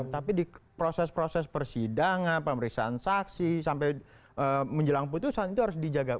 tapi di proses proses persidangan pemeriksaan saksi sampai menjelang putusan itu harus dijaga